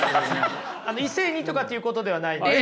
異性にとかっていうことではないんですかね。